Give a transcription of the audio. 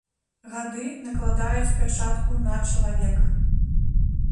Гады накладаюць пячатку на чалавека.